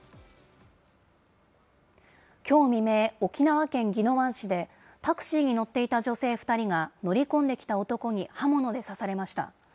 きょう未明、沖縄県宜野湾市で、タクシーに乗っていた女性２人が、乗り込んできた男に刃物で刺されました。